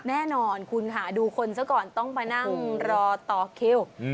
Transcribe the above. แน่นอนคุณค่ะดูคนซะก่อนต้องมานั่งรอต่อคิว